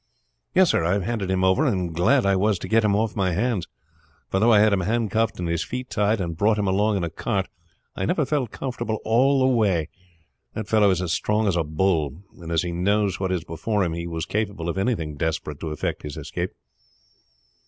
"Yes, sir, I have handed him over, and glad I was to get him off my hands; for though I had him handcuffed and his feet tied, and brought him along in a cart, I never felt comfortable all the way. The fellow is as strong as a bull, and as he knows what is before him he was capable of anything desperate to effect his escape."